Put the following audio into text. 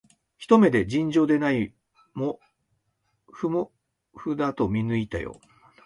ひと目で、尋常でないもふもふだと見抜いたよ